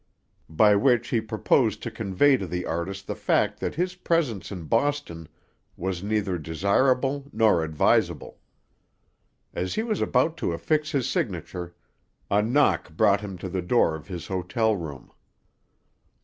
By which he purposed to convey to the artist the fact that his presence in Boston was neither desirable nor advisable. As he was about to affix his signature, a knock brought him to the door of his hotel room.